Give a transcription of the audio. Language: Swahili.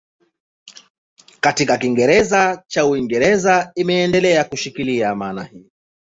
Katika Kiingereza cha Uingereza inaendelea kushikilia maana hii.